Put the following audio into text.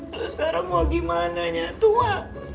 terus sekarang mau gimana nyatua